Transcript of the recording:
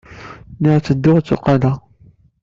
Lliɣ ttedduɣ, tteqqaleɣ.